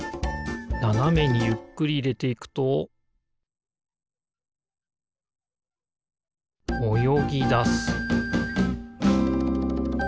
ななめにゆっくりいれていくとおよぎだす